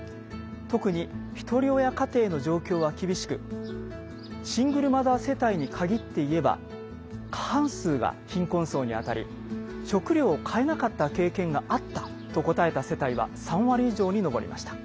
特にひとり親家庭の状況は厳しくシングルマザー世帯に限って言えば過半数が貧困層に当たり食料を買えなかった経験が「あった」と答えた世帯は３割以上に上りました。